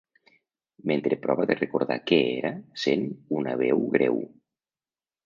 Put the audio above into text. Mentre prova de recordar què era sent una veu greu.